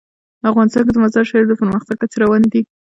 افغانستان کې د مزارشریف د پرمختګ هڅې روانې دي.